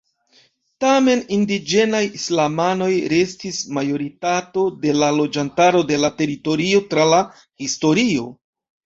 Tamen, indiĝenaj islamanoj restis majoritato de la loĝantaro de la teritorio tra la historio.